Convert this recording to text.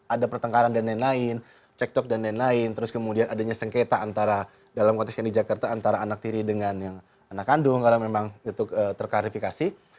ada pertengkaran dan lain lain cekcok dan lain lain terus kemudian adanya sengketa antara dalam konteks yang di jakarta antara anak tiri dengan yang anak kandung karena memang itu terklarifikasi